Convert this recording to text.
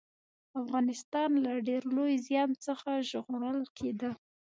افغانستان له ډېر لوی زيان څخه ژغورل کېده